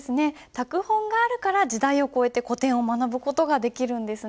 拓本があるから時代を超えて古典を学ぶ事ができるんですね。